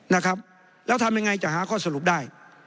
นะครับแล้วทำยังไงจะหาข้อสรุปได้